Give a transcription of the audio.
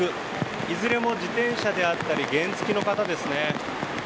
いずれも自転車であったり原付きの方ですね。